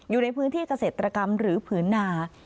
อยู่ในพื้นที่เกษตรกรรมหรือผืนนา